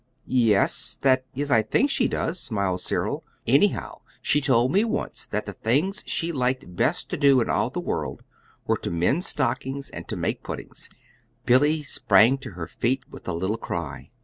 "Yes; that is, I think she does," smiled Cyril. "Anyhow, she told me once that that the things she liked best to do in all the world were to mend stockings and to make puddings." Billy sprang to her feet with a little cry.